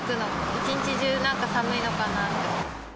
一日中、なんか寒いのかなって。